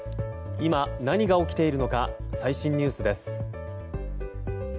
今何が起きているのか最新ニュースです。